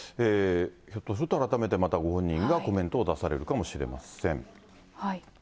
ひょっとすると改めてまたご本人がコメントを出されるかもしれません。